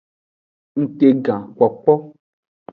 Ngtegankpokpo.